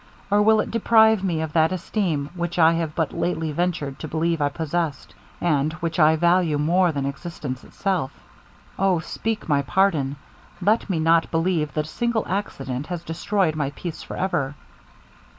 or will it deprive me of that esteem which I have but lately ventured to believe I possessed, and which I value more than existence itself. O! speak my pardon! Let me not believe that a single accident has destroyed my peace for ever.'